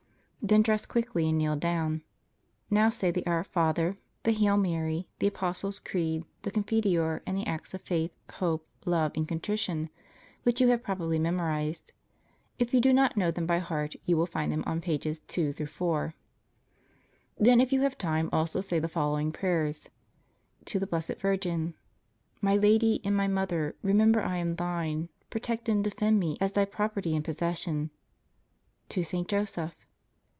Then dress quickly and kneel down. Now say the Our Father, the Hail Mary, the Apostles' Creed, the Confiteor and the Acts of Faith, Hope, Love and Contrition which you have probably memorized. If you do not know them by heart you will find them on pages 2 4. Then if you have time also say the following prayers: TO THE BLESSED VIRGIN. My Lady, and my Mother, remember I am thine; protect and defend me as thy property and possession. TO SAINT JOSEPH.